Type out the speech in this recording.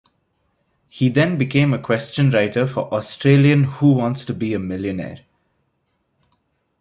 He then became a question writer for Australian Who Wants to Be a Millionaire?